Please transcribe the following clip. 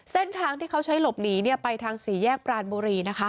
เส้นทางที่เขาใช้หลบหนีไปทางสี่แยกปรานบุรีนะคะ